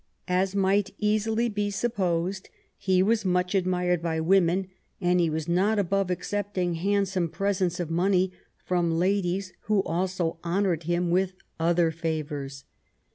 As might easily be supposed, he was much admired by women, and he was not above accepting handsome presents of money from ladies who also honored him with other favors.